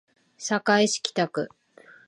堺市北区